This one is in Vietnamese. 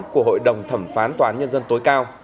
của hội đồng thẩm phán toán nhân dân tối cao